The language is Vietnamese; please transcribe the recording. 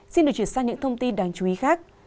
xin được chuyển sang những thông tin đáng chú ý khác